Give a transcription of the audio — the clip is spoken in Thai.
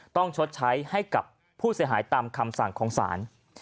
ชดใช้ให้กับผู้เสียหายตามคำสั่งของศาล